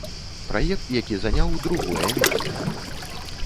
Праект, які заняў другое месца.